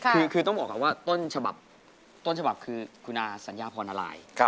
คือต้องบอกว่าต้นฉบับคือคุณอาสัญญาพรนาลัย